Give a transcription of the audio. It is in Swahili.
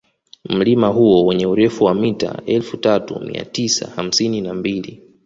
Mlima huo wenye urefu wa mita elfu tatu mia tisa hamsini na mbili